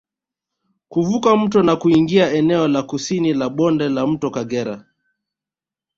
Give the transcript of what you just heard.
Kuvuka mto na kuingia eneo la kusini la bonde la mto Kagera